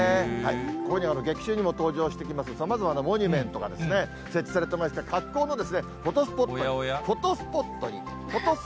ここには劇中にも登場してきます、さまざまなモニュメントが設置されてまして、格好のフォトスポットに、フォトスポットに。